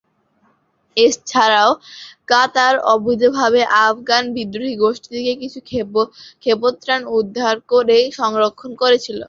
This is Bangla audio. এছাড়াও কাতার অবৈধভাবে আফগান বিদ্রোহী গোষ্ঠী থেকে কিছু ক্ষেপণাস্ত্র উদ্ধার করে সংরক্ষণ করেছিল।